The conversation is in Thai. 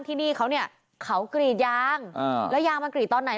ที่นี่เขาเนี่ยเขากรีดยางแล้วยางมันกรีดตอนไหน